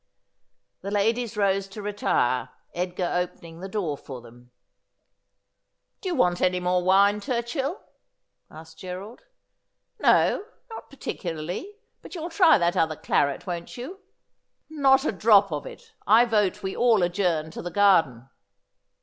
The ladies rose to retire, Edgar opening the door for them. ' Do you want any more wine, Turchill ?' asked Gerald. ' No, not particularly ; but you'll try that other claret, won't you?' ' Not a drop of it. I vote we all adjourn to the garden.'